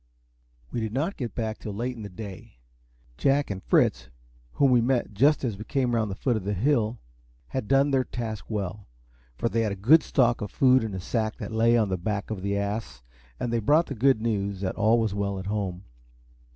We did not get back till late in the day. Jack and Fritz, whom we met just as we came round the foot of the bill, had done their task well, for they had a good stock of food in a sack that lay on the back of the ass, and they brought the good news that all was well at home.